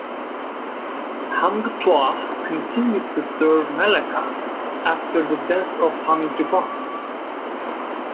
Hang Tuah continued to serve Melaka after the death of Hang Jebat.